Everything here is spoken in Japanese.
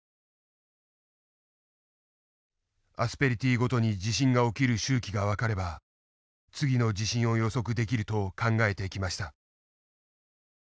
アスペリティーごとに地震が起きる周期が分かれば次の地震を予測できると考えてきました。